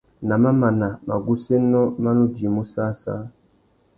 Nà mamana, magussénô mà nu djïmú săssā.